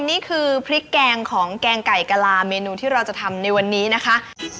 นี่คือพริกแกงของแกงไก่กะลาเมนูที่เราจะทำในวันนี้นะคะ